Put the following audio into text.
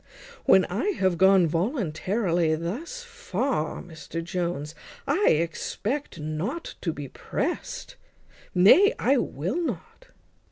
"When I have gone voluntarily thus far, Mr Jones," said she, "I expect not to be pressed. Nay, I will not."